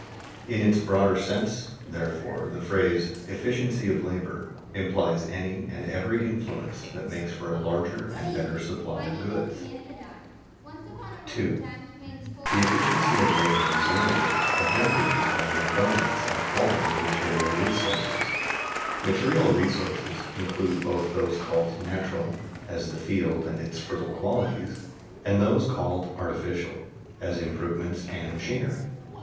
In its broader sense, therefore, the phrase "efficiency of labor" implies any and every influence that makes for a larger and better supply of goods. [Sidenote: Bounty and goodness of productive agents affect the output of labor] 2. The efficiency of labor is limited objectively by the abundance and quality of material resources. Material resources include both those called natural (as the field and its fertile qualities), and those called artificial (as improvements and machinery).